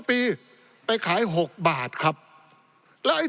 ปี๑เกณฑ์ทหารแสน๒